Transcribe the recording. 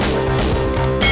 nggak akan ngediam nih